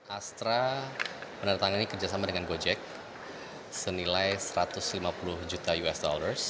astra menandatangani kerjasama dengan gojek senilai satu ratus lima puluh juta usd